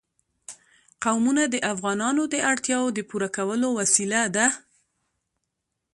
قومونه د افغانانو د اړتیاوو د پوره کولو وسیله ده.